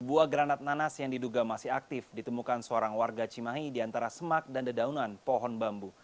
buah granat nanas yang diduga masih aktif ditemukan seorang warga cimahi di antara semak dan dedaunan pohon bambu